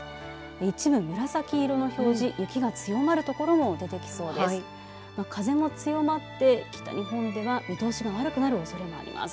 一部、紫色の表示雪が強まる所も出てきそうです。